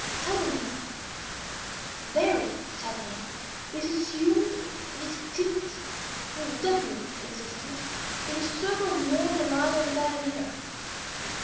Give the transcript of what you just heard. Suddenly very suddenly this assumed a distinct and definite existence, in a circle of more than a mile in diameter.